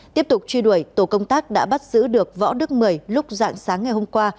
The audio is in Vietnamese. tiếp tục truy đuổi tổ công tác đã bắt giữ được võ đức mười lúc dạng sáng ngày hôm qua